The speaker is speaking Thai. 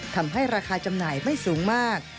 ทำให้ราคาจำหน่ายไม่สูงมาก